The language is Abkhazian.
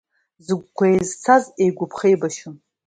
Зыгәқәа еизцаз, еигәаԥхеибашьон.